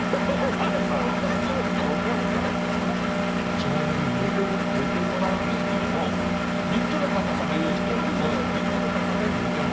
ちなみに寝てもらうんですけども３つの硬さが用意してあるので３つの硬さに寝てもらいます。